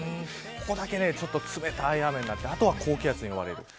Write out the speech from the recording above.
ここだけ冷たい雨になってあとは高気圧に覆われる。